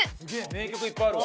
名曲いっぱいあるわ。